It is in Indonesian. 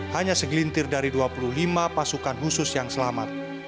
hanya segelintir dari dua puluh lima pasukan khusus yang selamat